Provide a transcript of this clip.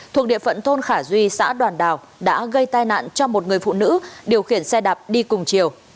thuộc địa phận thôn khả duy xã đoàn đào đã gây tai nạn cho một người phụ nữ điều khiển xe đạp đi cùng chiều